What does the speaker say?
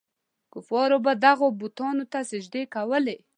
کفارو به دغو بتانو ته سجدې کولې.